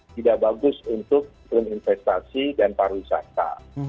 tidak bagus untuk investasi dan pariwisata